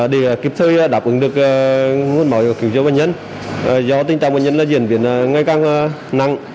để kịp thời đáp ứng được nguồn máu của công an hà tĩnh do tình trạng bệnh nhân diễn biến ngày càng nặng